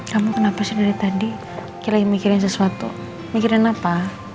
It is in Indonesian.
kamu kenapa sih dari tadi ki lagi mikirin sesuatu mikirin apa